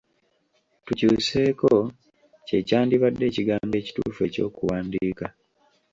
Tukyuseeko' kye kyandibadde ekigambo ekituufu eky’okuwandiika.